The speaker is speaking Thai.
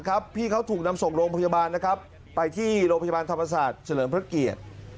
พี่เขาถูกนำส่งโรงพยาบาลนะครับไปที่โรงพยาบาลธรรมศาสตร์เฉลิมพระเกียรติ